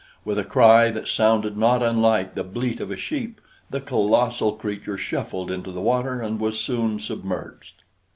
With a cry that sounded not unlike the bleat of a sheep, the colossal creature shuffled into the water and was soon submerged.